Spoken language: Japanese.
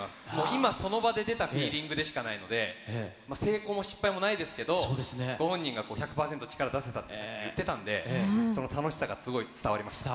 今、その場で出たフィーリングでしかないので、成功も失敗もないですけど、ご本人が１００％力を出せたと言ってたんで、その楽しさが、伝わりました。